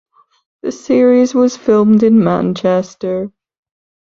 The series was filmed in Manchester.